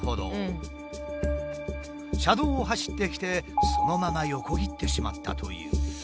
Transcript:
車道を走ってきてそのまま横切ってしまったという。